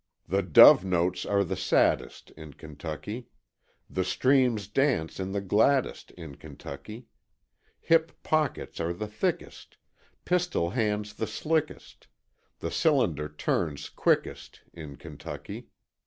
"The dove notes are the saddest, In Kentucky: The streams dance on the gladdest In Kentucky: Hip pockets are the thickest, Pistol hands the slickest, The cylinder turns quickest In Kentucky.